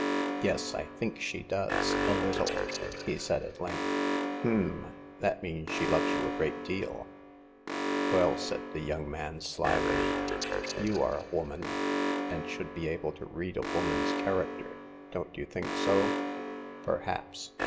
" Yes ; I think she does — a little," he said, at length. " H'm ! That means she loves you a great deal." " WeJJ," said the young man, slyly, " you are a The Fifth Customer. 145 woman, and should be able to read a woman's character. Don't you think so ?''Perhaps.